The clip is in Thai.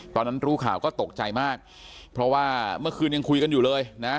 รู้ข่าวก็ตกใจมากเพราะว่าเมื่อคืนยังคุยกันอยู่เลยนะ